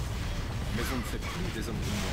Mais on ne fait plus des hommes comme moi.